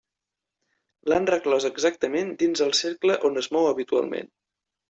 L'han reclòs exactament dins el cercle on es mou habitualment.